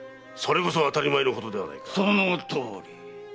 そのとおり。